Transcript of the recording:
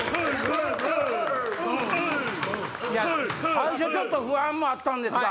最初ちょっと不安もあったんですが。